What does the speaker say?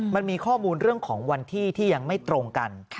มันมีข้อมูลเรื่องของวันที่ที่ยังไม่ตรงกัน